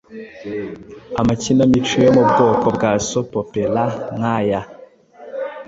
Ama kinamico yo mu bwoko bwa soap operas nkaya